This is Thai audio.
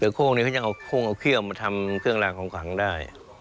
เดี๋ยวโค้งนี้เขาจะเอาเครื่องเอาเครื่องล่าของขังได้